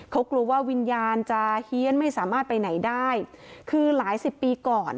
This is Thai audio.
เขากลัวว่าวิญญาณจะเฮียนไม่สามารถไปไหนได้คือหลายสิบปีก่อน